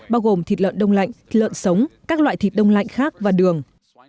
bao gồm thịt lợn đông lạnh lợn sống các loại thịt đông lạnh khác và đường